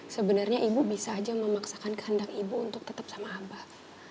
sebenarnya ibu bisa aja memaksakan kehendak ibu untuk tetap sama abah